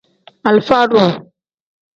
Alifa-duu.